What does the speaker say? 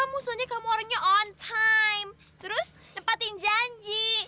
kamu soalnya orangnya on time terus nempatin janji